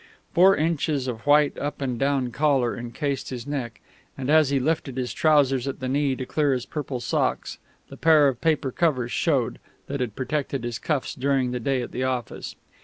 Four inches of white up and down collar encased his neck; and as he lifted his trousers at the knee to clear his purple socks, the pair of paper covers showed, that had protected his cuffs during the day at the office.